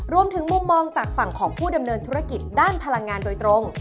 รวมถึงมุมมองจากฝั่งของผู้ดำเนินธุรกิจด้านพลังงานโดยตรง